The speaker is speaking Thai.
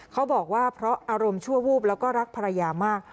เขาบอกว่าเพราะอารมณ์ชั่ววูบแล้วก็รักภรรยามาก